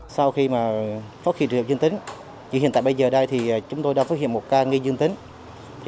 sau khi phát khí triệu dân tính chỉ hiện tại bây giờ đây chúng tôi đã phát hiện một ca nghi dân tính